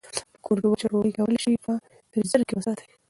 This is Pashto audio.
په کور کې وچه ډوډۍ کولای شئ چې په فریزر کې وساتئ.